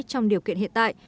trong điều kiện hiện tại